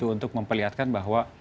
untuk memperlihatkan bahwa